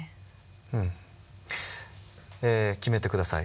うん決めて下さい。